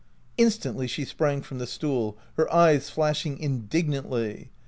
Instantly she sprang from the stool, her eyes flashing indignantly.